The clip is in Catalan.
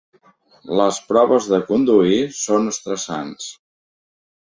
Les proves de conduir són estressants.